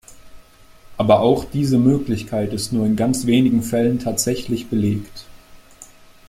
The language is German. Aber auch diese Möglichkeit ist nur in ganz wenigen Fällen tatsächlich belegt.